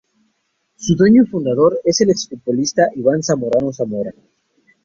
Su dueño y fundador es el ex futbolista Iván Zamorano Zamora.